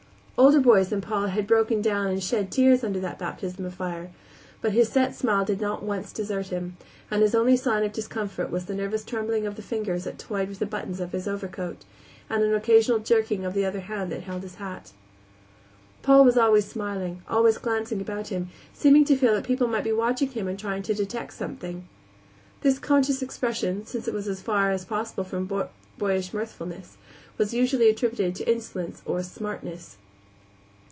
Older boys than Paul had broken down and shed tears under that baptism of fire, but his set smile did not once desert him, and his only sign of discomfort was the nervous trembling of the fingers that toyed with the buttons of his overcoat, and an occasional jerking of the other hand that held his hat. Paul was always smiling, always glancing about him, seeming to feel that people might be watching him and trying to detect something. This conscious expression, since it was as far as possible from boyish mirthfulness, was usually attributed to insolence or "smartness."